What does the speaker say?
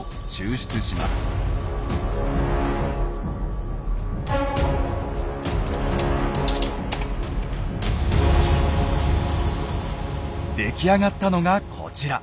出来上がったのがこちら。